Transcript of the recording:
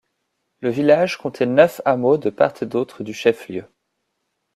Le village comptait neuf hameaux de part et d'autre du chef-lieu.